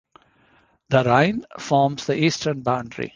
The Rhine forms the eastern boundary.